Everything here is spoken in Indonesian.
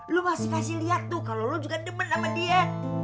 lo masih kasih lihat tuh kalau lo juga nemen sama dia